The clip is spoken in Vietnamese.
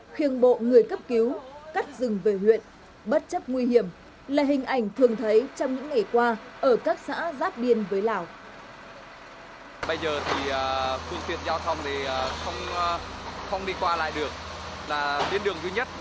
khiêng bộ người cấp cứu cắt rừng về huyện bất chấp nguy hiểm là hình ảnh thường thấy trong những ngày qua ở các xã giáp biên với lào